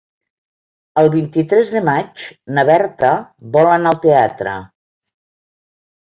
El vint-i-tres de maig na Berta vol anar al teatre.